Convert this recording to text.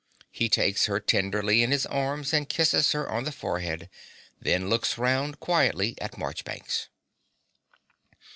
(He takes her tenderly in his arms and kisses her on the forehead; then looks round quietly at Marchbanks.)